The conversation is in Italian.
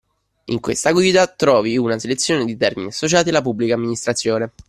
In questa guida trovi una selezione di termini associati alla Pubblica Amministrazione.